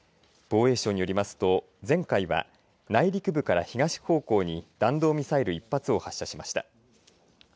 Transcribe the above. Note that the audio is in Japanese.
防衛省によりますと前回は内陸部から東方向に弾道ミサイル１発を発射しました。